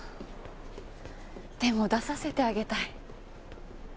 でも出させてあげたい。